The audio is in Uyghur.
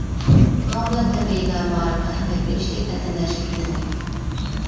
بۇنىڭ بىلەن تەبىئىيلا مائارىپقا ئەھمىيەت بېرىشتەك ئەنئەنە شەكىللەنگەن.